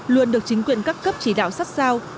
luôn được chính quyền các cấp chỉ đạo sát sao